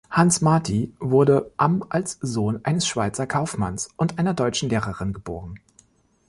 Hans Marti wurde am als Sohn eines Schweizer Kaufmanns und einer deutschen Lehrerin geboren.